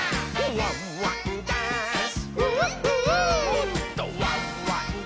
「ワンワンダンス！」